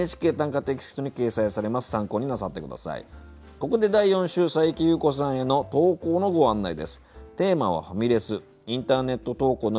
ここで第４週佐伯裕子さんへの投稿のご案内です。